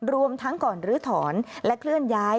รวมทั้งก่อนลื้อถอนและเคลื่อนย้าย